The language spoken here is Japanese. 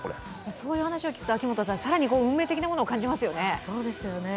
そういう話を聞くと更に運命的なものを感じますよね。